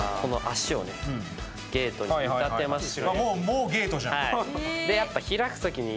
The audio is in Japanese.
もうゲートじゃん。